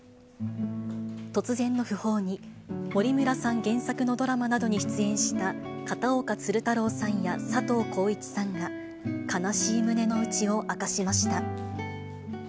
突然の訃報に、森村さん原作のドラマなどに出演した片岡鶴太郎さんや佐藤浩市さんが、悲しい胸の内を明かしました。